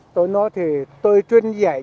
tôi nói thì tôi chuyên giải